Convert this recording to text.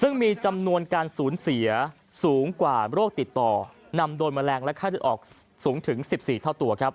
ซึ่งมีจำนวนการสูญเสียสูงกว่าโรคติดต่อนำโดยแมลงและค่าเลือดออกสูงถึง๑๔เท่าตัวครับ